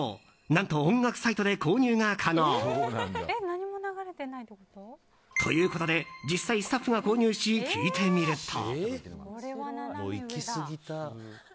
何と音楽サイトで購入が可能。ということで実際、スタッフが購入し聴いてみると。